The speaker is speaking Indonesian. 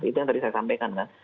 itu yang tadi saya sampaikan kan